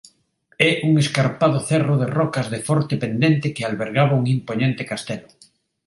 É un escarpado cerro de rocas de forte pendente que albergaba un impoñente castelo.